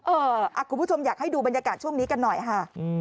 คุณผู้ชมอยากให้ดูบรรยากาศช่วงนี้กันหน่อยค่ะ